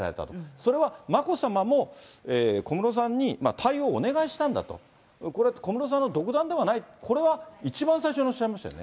それは眞子さまも、小室さんに対応をお願いしたんだと、これは小室さんの独断ではない、これは一番最初におっしゃいましたよね。